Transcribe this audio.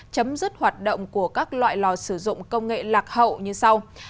chấm dứt hoạt động của các loại lò sử dụng công nghệ lạc hậu như sau